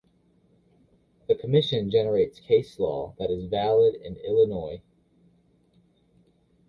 The Commission generates case law that is valid in Illinois.